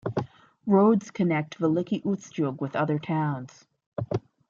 Roads connect Veliky Ustyug with other towns.